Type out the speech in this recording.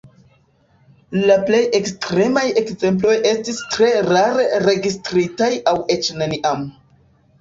La plej ekstremaj ekzemploj estis tre rare registritaj aŭ eĉ neniam.